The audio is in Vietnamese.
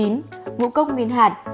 chín ngũ cốc nguyên hạt